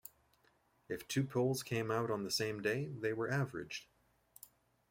If two polls came out on the same day, they were averaged.